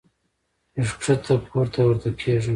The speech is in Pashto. چې ښکته پورته ورته کېږم -